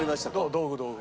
道具道具。